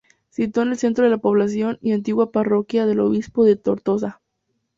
Sito en el centro de la población y antigua parroquia del obispado de Tortosa.